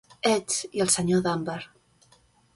Edge i el senyor Dunbar.